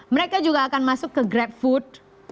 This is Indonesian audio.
mereka juga akan masuk ke grab food